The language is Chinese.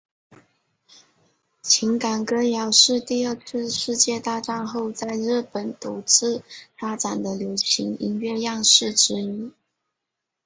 情感歌谣是第二次世界大战后在日本独自发展的流行音乐样式之一。